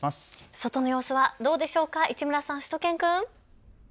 外の様子はどうでしょうか、市村さん、しゅと犬くん。